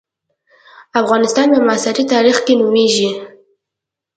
افغانستان په معاصر تاریخ کې نومېږي.